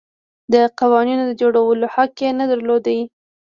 د قوانینو د جوړولو حق یې نه درلود.